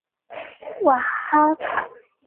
瓦哈卡。